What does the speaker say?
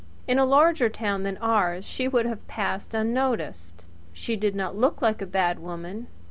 In a larger town than ours she would have passed unnoticed. She did not look like a bad woman.